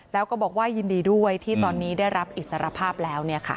แล้วก็บอกว่ายินดีด้วยที่ตอนนี้ได้รับอิสรภาพแล้ว